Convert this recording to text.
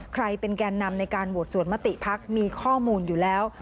แกเป็นแกนนำในการโหวตสวนมติภักดิ์มีข้อมูลอยู่แล้ว